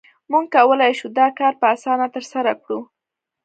موږ کولای شو دا کار په اسانۍ ترسره کړو